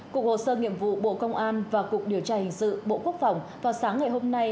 cục hồ sơ nghiệm vụ bộ công an và cục điều tra hình sự bộ quốc phòng vào sáng ngày hôm nay